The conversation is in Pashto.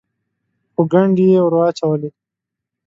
خو ګنډې یې ور اچولې.